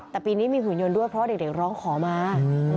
แต่ปีนี้มีหุ่นยนต์ด้วยเพราะว่าเด็กร้องขอมา